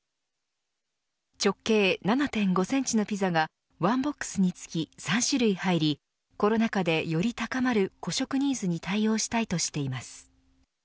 直径７．５センチのピザが１ボックスにつき３種類入りコロナ禍でより高まる個食ニーズに対応したいとしています。